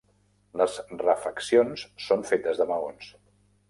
Les refeccions són fetes de maons.